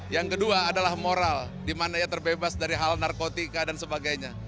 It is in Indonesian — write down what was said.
yang kedua adalah moral di mana ia terbebas dari hal narkotika dan sebagainya